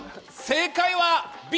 正解はＢ！